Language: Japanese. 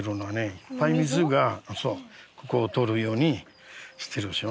いっぱい水がここを通るようにしてるでしょ。